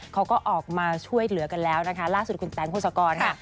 เขาก็ออกมาช่วยเหลือกันแล้วนะคะล่าสุดคุณแต๊งโฆษกรค่ะ